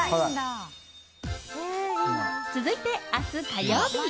続いて明日、火曜日。